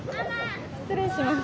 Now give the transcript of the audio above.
失礼します。